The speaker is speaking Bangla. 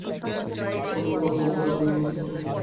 তোমার সকল কর্ম অপরের জন্য অনুষ্ঠিত হউক।